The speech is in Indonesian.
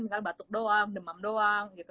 misalnya batuk doang demam doang gitu